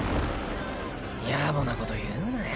野暮なこと言うなよ。